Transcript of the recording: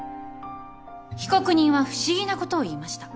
被告人は不思議なことを言いました。